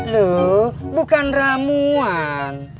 loh bukan ramuan